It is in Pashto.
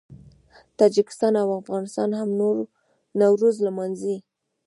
تاجکستان او افغانستان هم نوروز لمانځي.